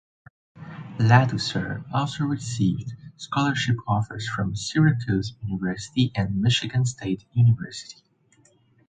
Ladouceur also received scholarship offers from Syracuse University and Michigan State University.